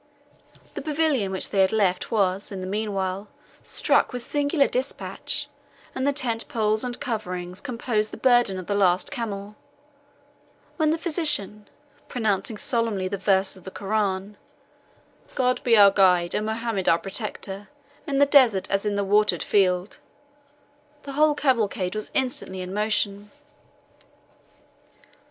The pavilion which they had left was, in the meanwhile, struck with singular dispatch, and the tent poles and coverings composed the burden of the last camel when the physician, pronouncing solemnly the verse of the Koran, "God be our guide, and Mohammed our protector, in the desert as in the watered field," the whole cavalcade was instantly in motion.